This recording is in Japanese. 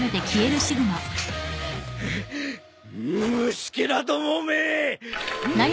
虫けらどもめ！